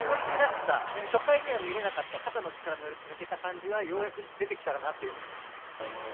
初回には見られなかった肩の力を抜いてた感じはようやく出てきたかなと。